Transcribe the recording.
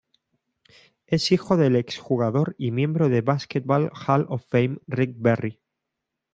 Es hijo del exjugador y miembro del Basketball Hall of Fame Rick Barry.